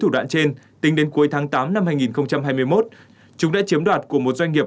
thủ đoạn trên tính đến cuối tháng tám năm hai nghìn hai mươi một chúng đã chiếm đoạt của một doanh nghiệp